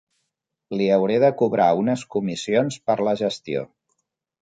Li hauré de cobrar unes comissions per la gestió.